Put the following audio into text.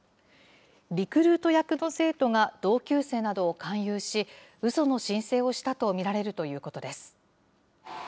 リクルート役の生徒が同級生などを勧誘し、うその申請をしたと見られるということです。